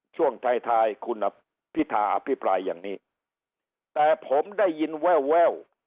ช่วงท้ายท้ายคุณอภิธาอภิปรายอย่างนี้แต่ผมได้ยินแววแวว